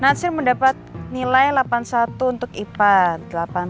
nasir mendapat nilai delapan puluh satu untuk ipat delapan puluh satu